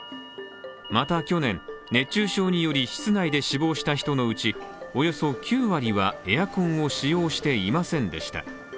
また去年、熱中症により室内で死亡した人のうちおよそ９割はエアコンを使用していませんでした。